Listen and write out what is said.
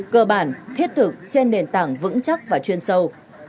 cơ bản thiết thực trên nền tảng vững chắc và chuyên sâu